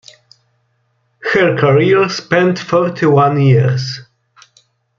Her career spanned forty-one years.